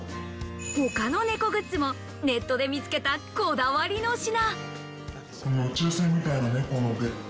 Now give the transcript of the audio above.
他の猫グッズもネットで見つけたこだわりの品。